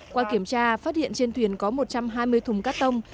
qua kiểm tra phát hiện trên thuyền có một trăm hai mươi thùng cát tông